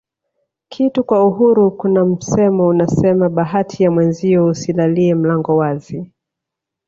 kitu kwa uhuru Kuna msemo unasema bahati ya mwenzio usilalie mlango wazi